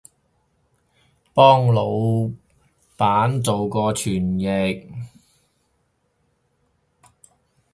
幫腦闆做過傳譯